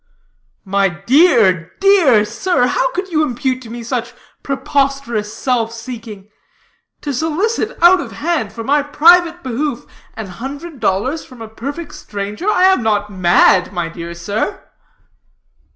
"My dear, dear sir, how could you impute to me such preposterous self seeking? To solicit out of hand, for my private behoof, an hundred dollars from a perfect stranger? I am not mad, my dear sir."